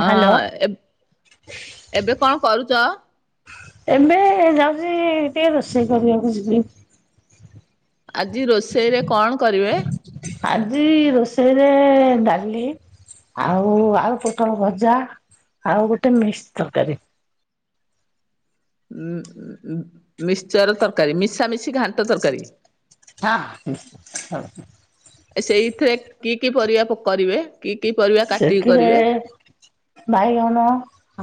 ହଁ ଏବେ କଣ କରୁଚ? ଏବେ ଯାଉଚି ଟିକେ ରୋଷେଇ କରିଆକୁ ଯିବି। ଆଜି ରୋଷେଇରେ କଣ କରିବେ? ଆଜି ରୋଷେଇରେ ଡାଲି ଆଉ ଆଳୁ ପୋଟଳ ଭଜା ଆଉ ଗୋଟେ ମିକ୍ସ ତରକାରୀ। ଉଁ ଉଁ ମିଶ୍ଚର ତରକାରୀ ମିଶାମିଶି ଘାଣ୍ଟ ତରକାରୀ ହଁ ହୁଁ। ସେଇଥିରେ କି କି ପରିବା କରିବେ କି କି ପରିବା କାଟିକି ସେଥିରେ କରିବେ? ବାଇଗଣ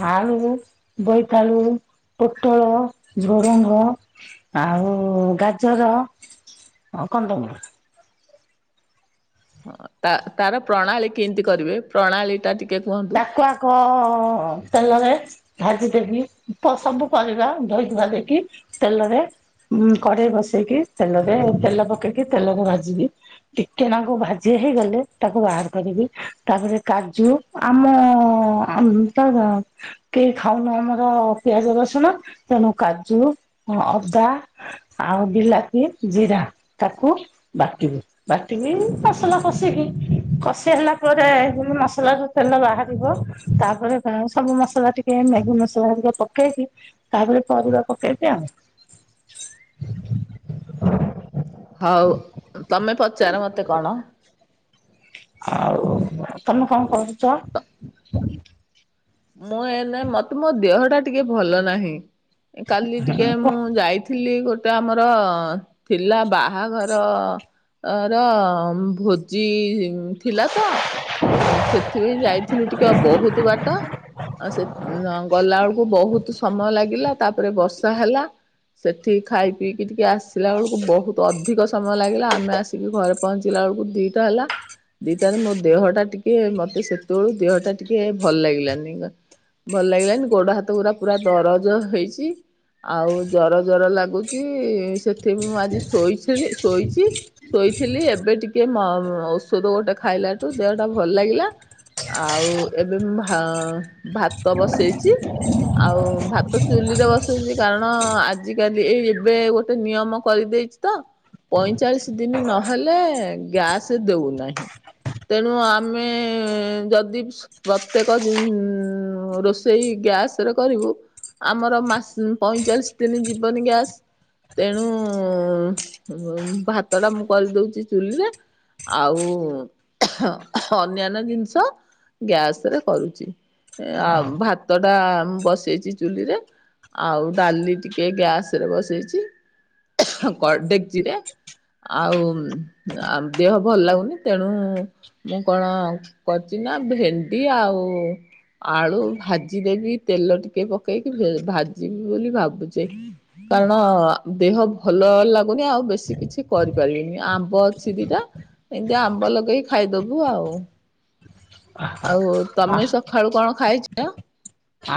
ଆଳୁ ବୋଇତାଳୁ ପୋଟଳ ଝୁଡଙ୍ଗ ଆଉ ଗାଜର ଆ କନ୍ଦମୂଳ। ହଁ ତା ତାର ପ୍ରଣାଳୀ କିନ୍ତି କରିବେ ପ୍ରଣାଳୀଟା ଟିକ୍ ତାକୁ ଆଗ ତେଲରେ ଭାଜିଦେବି ତ ସବୁ ପରିବା ଧୋଇ ଧୁଆ ଦେଇକି ତେଲରେ ଉ କଡେଇ ବସେଇକି ତେଲରେ ତେଲ ପକେଇକି ତେଲରେ ଭାଜିବି। ଟିକେ ନାଗୁ ଭାଜି ହେଇଗଲେ ତାକୁ ବାହାର କରିବି ତାପରେ କାଜୁ ଆମ ଊଁ ତ କେହି ଖାଉନୁ ଆମର ପିଆଜ ରସୁଣ ତେଣୁ କାଜୁ, ଅଦା ଆଉ ବିଲାତି, ଜିରା ତାକୁ ବାଟିବି ବାଟିକି ମସଲା କଷିକି କଷି ହେଲାପରେ ମସଲା କୁ ତେଲ ବାହାରିବ ତାପରେ ସବୁ ମସଲା ଟିକେ ମ୍ୟାଗି ମସଲା ହରିକା ପକେଇକି ତାପରେ ପରିବା ପକେଇବି ଆଉ। ହଉ ତମେ ପଚାର ମତେ କଣ? ଆଉ ତମେ କଣ କରୁଚ? ମୁଁ ଏ ନେ ମତେ ମୋ ଦେହଟା ଟିକେ ଭଲ ନାହିଁ, କାଲି ଟିକେ ମୁଁ ଯାଇ ଥିଲି ଗୋଟେ ଆମର ଥିଲା ବାହାଘର ଅ ର ଭୋଜି ଥିଲା ତ ସେଥିରେ ଯାଇଥିଲୁ ଟିକେ ବହୁତ ବାଟ। ଆଉ ସେ ଗଲାବେକକୁ ବହୁତ ସମୟ ଲାଗିଲା, ତାପରେ ବର୍ଷା ହେଲା। ସେଠି ଖାଇପିଇକି ଟିକେ ଆସିଲାବେଳୁକୁ ବହୁତ ଅଧିକ ସମୟ ଲାଗିଲା ଆମେ ଆସିକି ଘରେ ପହଞ୍ଚିଲାବେଳୁକୁ ଦିଟା ହେଲା। ଦିଟାରେ ମୋ ଦେହଟା ଟିକେ ମତେ ସେତେବେଳୁ ଦେହଟା ଟିକିଏ ଭଲ ଲାଗିଲାନି। ଭଲ ଲାଗିଲାନି ଗୋଡହାତ ଗୁରା ପୁରା ଦରଜ ହେଇଚି। ଆଉ ଜର ଜର ଲାଗୁଚି ସେଥି ମୁଁ ଆଜି ଶୋଇଥିଲି ଶୋଇଚି। ଶୋଇଥିଲି ଏବେ ଟିକେ ମ ଓଷଦ ଗୋଟେ ଖାଇଲାଟୁ ଦେହଟା ଭଲ ଲାଗିଲା। ଆଉ ଏବେ ମୁଁ ଭା ଭାତ ବସେଇଚି। ଆଉ ଭାତ ଚୁଲିରେ ବସଉଚି କାରଣ ଆଜିକାଲି ଏଇ ଏବେ ଗୋଟେ ନିୟମ କଇଦେଇ ତ ପଇଁଚାଳିଶ ଦିନ ନହେଲେ ଗ୍ୟାସ ଦେଉନାହିଁ। ତେଣୁ ଆମେ ଯଦି ସ ପ୍ରତ୍ୟେକ ଜିନି ଉଁ ରୋଷେଇ ଗ୍ୟାସରେ କରିବୁ ଆମର ମାସ ପଇଁଚାଳିଶ ଦିନ ଯିବନି ଗ୍ୟାସ। ତେଣୁ ଭାତଟା ମୁଁ କରିଦଉଚି ଚୁଲିରେ ଆଉ ଅନ୍ୟାନ୍ୟ ଜିନିଷ ଗ୍ୟାସରେ କରୁଚି। ଆଉ ଭାତଟା ବସେଇଚି ଚୁଲିରେ। ଆଉ ଡାଲି ଟିକେ ଗ୍ୟାସରେ ବସେଇଚି କ ଡେକ୍ଚିରେ। ଆଉ ଦେହ ଭଲ ଲାଗୁନି ତେଣୁ ମୁଁ କଣ କରିଚି ନା ଭେଣ୍ଡି ଆଉ ଆଳୁ ଭାଜିଦେବି ତେଲ ଟିକେ ପକେଇକି ଭେ ଭାଜିବି ବୋଲି ଭାବୁଚି। କାରଣ ଦେହ ଭଲ ଲାଗୁନି ଆଉ ବେଶୀ କିଛି କରିପାରିବିନି ଆମ୍ବ ଛି ଦିଟା। ଏମିତା ଆମ୍ବ ଲଗେଇ ଖାଇଦବୁ ଆଉ। ଆଉ ତମେ ସଖାଳୁ କଣ ଖାଇଛ?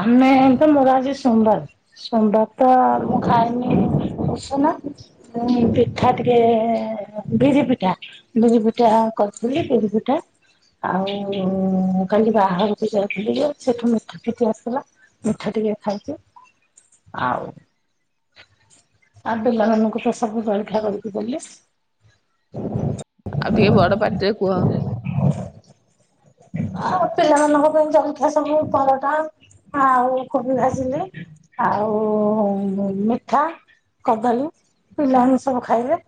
ଆମେ ଏ ତ ମୋର ଆଜି ସୋମବାର। ସୋମବାର ତ ମୁଁ ଖାଏନି ଉଷୁନା। ଉଁ ପିଠା ଟିକେ ବିରି ପିଠା ବିରି ପିଠା କରିଥିଲି, ବିରି ପିଠା। ଆଉ କାଲି ବାହାଘରକୁ ଯାଇଥିଲି ଯେ ସେଠୁ ମିଠି ପିଠି ଆସି ଥିଲା ମିଠା ଟିକେ ଖାଇଛି, ଆଉ ଆଉ ପିଲାମାନଙ୍କୁ ତ ସବୁ ଜଳଖିଆ କରିକି ଦେଲି। ଆଉ ଟିକେ ବଡ ପାଟିରେ କୁହ। ଆଉ ପିଲାମାନଙ୍କ ପାଇଁ ଜଲଖିଆ ସବୁ ପରଟା ଆଉ କୋବି ଭାଜିଲି। ଆଉ ମିଠା, କଦଳୀ ପିଲାମାନେ ସବୁ ଖାଇବେ।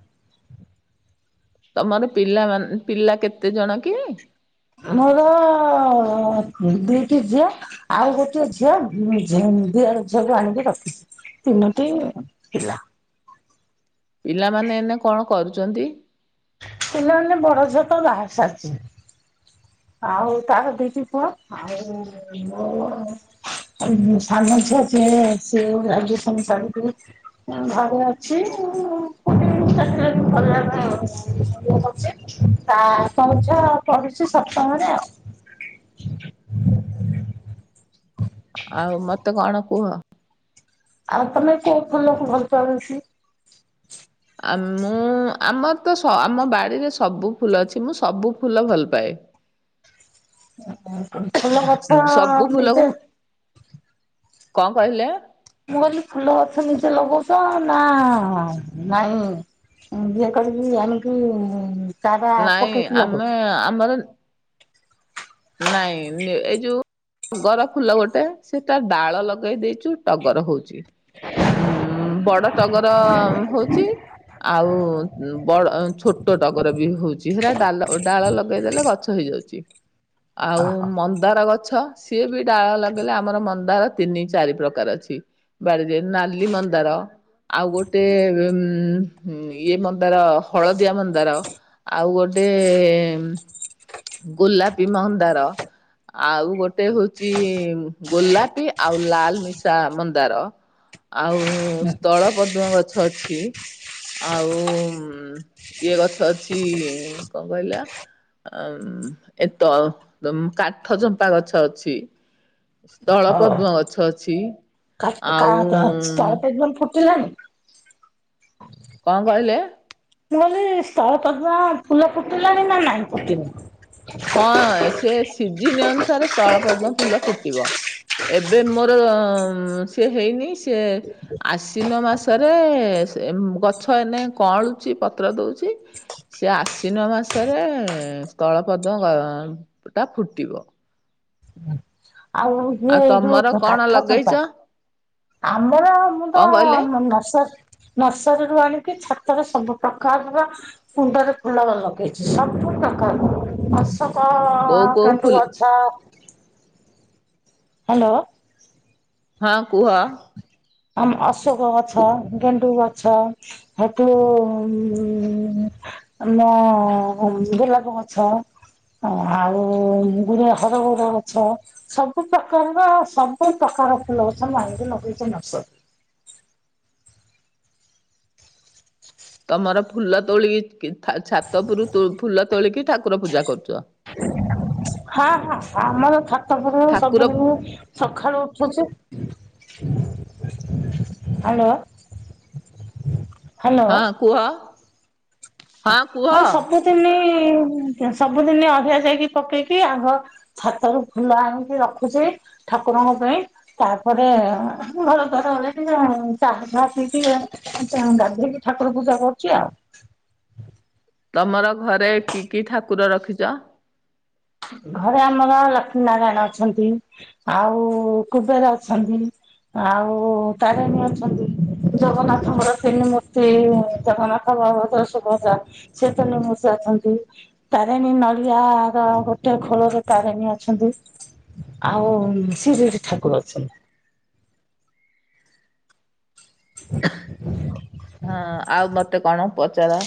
ତମର ପିଲା ମାନେ ପିଲା କେତେ ଜଣ କି? ଆମର ର ଦି ଟି ଝିଅ। ଆଉ ଗୋଟିଏ ଝିଅ - ଝି ଦିଅର ଝିଅ କୁ ଆଣିକି ରଖିଛି। ତିନୋଟି ପିଲା। ପିଲାମାନେ ଏନେ କଣ କରୁଚନ୍ତି? ପିଲାମାନେ ବଡ ଝିଅ ତ ବାହା ହେଇସାରିଛି। ଆଉ ତାର ଦି ଟି ପୁଅ ଆଉ ମୋର ସାନ ଝିଅ ଯିଏ ସିଏ ଗ୍ରାଜୁଏସନ ସାରିକିରି ଘରେ ଅଛି [inaudible] [unintelligible] ତା ଝିଅ ପଢୁଛି। ସପ୍ତମ ରେ ଆଉ। ଆଉ ମତେ କଣ କୁହ? ଆଉ ତମେ କୋଉ ଫୁଲକୁ ଭଲ ବେଶି? ଆ ମୁଁ ଆମର ତ ଆମ ବାଡିରେ ସବୁ ଫୁଲ ଅଛି ମୁଁ ସବୁ ଫୁଲ ଭଲ ପାଏ। ଫୁଲ ଗଛ ସବୁ ଫୁଲକୁ ନିଜେ କଣ କହିଲେ? ମୁଁ କହିଲି ଫୁଲ ଗଛ ନିଜେ ଲଗଉଛ ନା ନାଇଁ ଇଏ କରିକି ଆଣିକି ଚାରା ପକେଇକି ଲଗଉଚି। ହଁ ଆମର ନାଇଁ ଏଇ ଯୋଉ ଟଗର ଫୁଲ ଗୋଟେ ସେ ଟା ଡାଳ ଲଗେଇ ଦେଇଛୁ, ଟଗର ହଉଛି। ଉଁ-ଉଁ ବଡ ଟଗର ହଉଚି। ଆଉ ବଡ ଛୋଟ ଟଗର ବି ହଉଛି। ହେରା ଡାଲ ଡାଳ ଲଗେଇଦେଲେ ଗଛ ଛ ହେଇଯାଉଛି। ଆଉ ମନ୍ଦାର ଗ ଛ ସିଏ ବି ଡାଳ ଲଗେଇଲେ ଆମର ମନ୍ଦାର ତିନି ଚାରି ପ୍ରକାର ଅଛି। ବାଡିରେ ନାଲି ମନ୍ଦାର ଆଉ ଗୋଟେ ଉଁ ଇ ଇଏ ମନ୍ଦାର ହଳଦିଆ ମନ୍ଦାର। ଆଉ ଗୋଟେ ଗୋଲାପି ମନ୍ଦାର। ଆଉ ଗୋଟେ ହଉଛି ଗୋଲାପି ଆଉ ଲାଲ ମିଶା ମନ୍ଦାର ଆଉ ସ୍ଥଳପଦ୍ମ ଗଛ ଅଛି ଆଉ ଇଏ ଗଛ ଅଛି, କଣ କହିଲା? ଆଉ ଏତ କାଠଚମ୍ପା ଗଛ ଅଛି। ସ୍ଥଳ ହଁ ପଦ୍ମ ଗଛ ଅଛି କ ଆଉ କଣ କହିଲେ? ମୁଁ କହିଲି ସ୍ଥଳପଦ୍ମ ଫୁଲ ଫୁଟିଲାଣି ନା ନାହିଁ ଫୁଟିନି। ହଁ ସେ ସିଜିିନ ଅନୁସାରେ ସ୍ଥଳପଦ୍ମ ଫୁଲ ଫୁଟିବ। ଏବେ ମୋର ସିଏ ହେଇନି ସେ ଆଶ୍ଵିନ ମାସରେ ଗଛ ଏନେ କଉଁଳୁଛି ପତ୍ର ଦଉଛି। ସେ ଆଶ୍ଵିନ ମାସରେ ସ୍ଥଳପଦ୍ମ ଟା ଫୁଟିବ। ଆଉ ଇଏ ଯୋଉ ତମର କଣ କାଠ ଲଗେଇଛ ଚମ୍ପା ଆମର ମୁଁ କଣ ତ କହିଲେ ନର୍ସର ନର୍ସରୀରୁୁ ଆଣିକି ଛାତରେ ସବୁ ପ୍ରକାରର କୁଣ୍ଡରେ ଫୁଲ ଲଗେଇଛି ସବୁ ପ୍ରକାରର ତକ କୋଉ କୋଉ ଗେଣ୍ଡୁ ଫୁଲ ଗଛ ହ୍ୟାଲୋ ହଁ କୁହ। ଆମ ଅଶୋକ ଗଛ, ଗେଣ୍ଡୁ ଗଛ ହେଟୁ ଉମ ନାଁ ଗୋଲାପ ଗଛ ଆଉ ଗୁର ହଉର ଗଛ। ସବୁ ପ୍ରକାରର ସବୁ ପ୍ରକାର ଫୁଲ ଗଛ ମୁଁ ଆନିକି ଲଗେଇଛ ନସ ତମର ଫୁଲ ତୋଳିକି ଛାତଉପରୁ ଫୁଲ ତୋଳିକି ଠାକୁର ପୂଜା କରୁଛ। ହଁ ହଁ ଆମର ଛାତ ଉପରୁ ଠାକୁର ସବୁ ଦିନି ସକାଳୁ ଉଠୁଛି ହ୍ୟାଲୋ। ହ୍ୟାଲୋ ହଁ କୁହ। ହଁ ସବୁଦିନ ସବୁଦିନ ଅଲିଆ ଯାଇକି ପକେଇକି ଆଗ ଛାତରୁ ଫୁଲ ଆଣିକି ରଖୁଛେ ଠାକୁରଙ୍କ ପାଇଁ ତାପରେ ଘର ଦ୍ବାର ଓଳେଇକି [unintelligible] ଆଛା ଗାଧେଇକି ଠାକୁର ପୂଜା କରୁଛି ଆଉ। ତମର ଘରେ କି କି ଠାକୁର ରଖିଛ? ଘରେ ଆମର ଲକ୍ଷ୍ମୀ ନାରାୟଣ ଅଛନ୍ତି ଆଉ କୁବେର ଅଛନ୍ତି। ଆଉ ତାରିଣୀ ଅଛନ୍ତି ଜଗନ୍ନାଥଙ୍କର ତିନି ମୂର୍ତ୍ତି ଜଗନ୍ନାଥ ବଳଭଦ୍ର ସୁଭଦ୍ରା ସେ ଅଛନ୍ତି [unintelligible] ତାରିନି ନଡ଼ିଆ ର ଟା ଖୋଳରେ ତାରିଣୀ ଅଛନ୍ତି ଆଉ ଶିରିଡ଼ି ଠାକୁର ଅଛନ୍ତି। ହଁ ଆଉ ମତେ କଣ ପଚାର?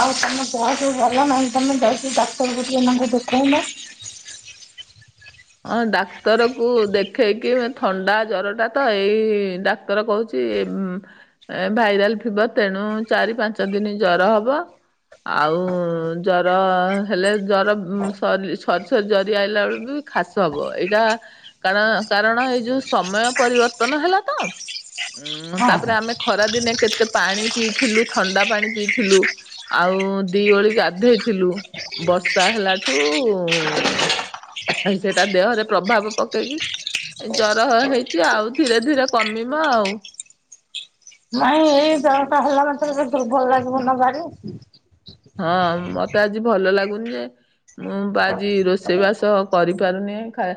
ଆଉ ତମ ଦେହ ସବୁ ଭଲ ନାହିଁ ତମେ ଯାହିକି ଡାକ୍ତରଙ୍କୁ ନହେଲେ ଦେଖଉନ। ହଁ ଡାକ୍ତର କୁ ଦେଖେଇକି ଥଣ୍ଡା ଜର ଟା ତ ଏଇ ଡା ତର କହୁଛି ଏ ଭାଇରାଲ ଫିବର ତେଣୁ ଚାରି ପାଞ୍ଚ ଦିନ ଜର ହବ। ଆଉ ଜର ହେଲେ ଜର ସରିସରି ଜରି ଆଇଲା ବେଳକୁ ଖାସ ହବ ଏଇଟା କାରଣ କାରଣ ଏଇ ଯୋଉ ସମୟ ପରିବର୍ତ୍ତନ ହେଲା ତ ହୁ ହଁ ତାପରେ ଆମେ ଖରାଦିନେ କେତେ ପାଣି ପିଇଥିଲୁ ଥଣ୍ଡା ପାଣି ପିଇଥିଲୁ। ଆଉ ଦି ଓଳି ଗାଧେଇ ଥିଲୁ ବର୍ଷା ହେଲାଠୁ ଆଉ ସେଇଟା ଦେହରେ ପ୍ରଭାବ ପକେଇକି ଜର ହେଇଛି ଆଉ ଧୀରେ ଧୀରେ କମିବ ଆଉ। ମାଇଁ ଏଇ ଦେହଟା ହେଲା ମାତ୍ର ଭଲ ଲାଗିବନ ବାରେ ହଁ ମତେ ଆଜି ଭଲ ଲାଗୁନି ଯେ ମୁଁ ପା ଆଜି ରୋଷେଇ ବାସ କରିପାରୁନି ଖା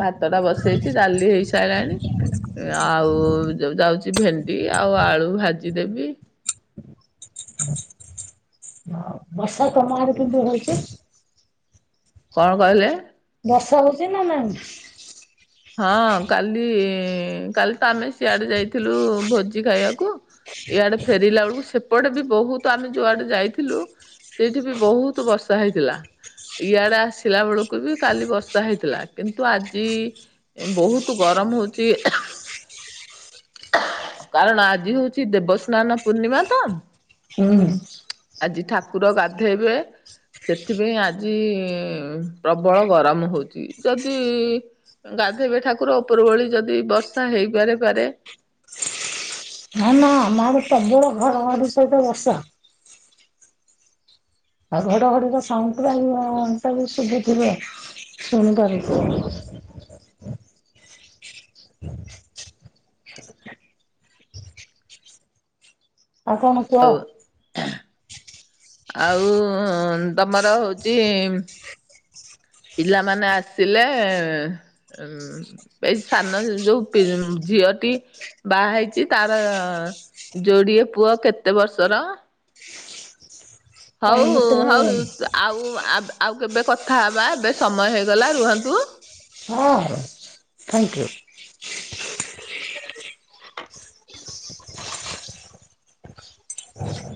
ଭାତ ଟା ବସେଇଛି ଡାଲି ହେଇସାରିଲାଣି। ଆଉ ଯାଉଛି ଭେଣ୍ଡି ଆଉ ଆଳୁ ଭାଜିଦେବି ବର୍ଷା ତମଆଡ଼େ କେମତି ହଉଛି। କଣ କହିଲେ? ବର୍ଷା ହଉଛି ନା ନାହିଁ? ହଁ କାଲି କାଲି ତ ଆମେ ସିଆଡେ ଯାଇଥିଲୁ ଭୋଜି ଖାଇବାକୁ। ଏଇଆଡେ ଫେରିଲା ବେଳକୁ ସେପଟେ ବି ବହୁତ ଆମେ ଯୋଉଆଡେ ଯାଇଥିଲୁ। ସେଇଠି ବି ବହୁତ ବର୍ଷା ହେଇଥିଲା। ଇଆଡେ ଆସିଲା ବେଳକୁ ବି କାଲି ବର୍ଷା ହେଇଥିଲା। କିନ୍ତୁ ଆଜି ଏ ବହୁତ ଗରମ ହଉଚି। କାରଣ ଆଜି ହଉଛି ଦେବସ୍ନାନ ପୂର୍ଣ୍ଣିମା ତ। ହୁଁ। ଆଜି ଠାକୁର ଗାଧେଇବେ। ସେଥିପାଇଁ ଆଜି ପ୍ରବଳ ଗରମ ହେଉଛି। ଯଦି ଗାଧେଇବେ ଠାକୁର ଉପର ଓଳି ଯଦି ବର୍ଷା ହେଇପାରେ ପାରେ। ହଁ ଆମ ଆଡ଼େ ଘଡ ଘଡି ସହିତ ବର୍ଷା। ଆଉ ଘଡଘଡିର ସାଉଣ୍ଡ ପୁରା ତାକୁ ଶୁଭୁଥିବ ଶୁଣିପାରୁଥିବ। [inaudible] [inaudible] ଆଉ କଣ କୁହ। ଆଉ ତମର ହଉଛି ପିଲାମାନେ ଆସିଲେ ହୁଁ ଏଇ ସାନ ଯୋଉ ପି ଝିଅଟି ବାହା ହେଇଛି ତାର ଯୋଡିଏ ପୁଅ କେତେ ବର୍ଷର। ହଉ ତାହେଲେ ଗୋଟେ ହଉ ଆଉ ଆବ ଆଉ କେବେ କଥା ହେବା, ଏବେ ସମୟ ହେଇଗଲା ରୁହନ୍ତୁ। ହଁ ଥ୍ୟାଙ୍କୟୁ।